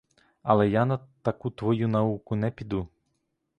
Але я на таку твою науку не піду.